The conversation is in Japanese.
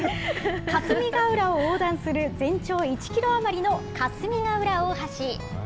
霞ケ浦を横断する全長１キロ余りの霞ヶ浦大橋。